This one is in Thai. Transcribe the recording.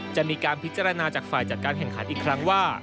จะมีการพิจารณาจากฝ่ายจัดการแข่งขันอีกครั้งว่า